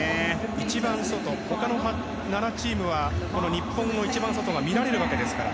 一番外、他の７チームは日本の一番外が見られるわけですから。